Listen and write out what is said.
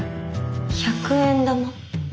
百円玉？